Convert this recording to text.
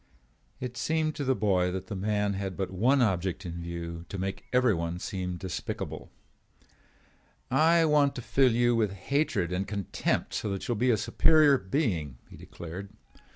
It seemed to the boy that the man had but one object in view, to make everyone seem despicable. "I want to fill you with hatred and contempt so that you will be a superior being," he declared.